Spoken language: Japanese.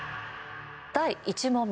第１問目